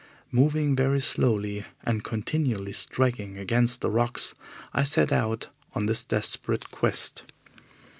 Moving very slowly, and continually striking against the rocks, I set out on this desperate quest.